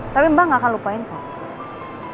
tapi mbak nggak akan lupain kok